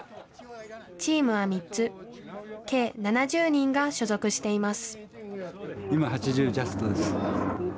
チームは３つ、計７０人が所属しています。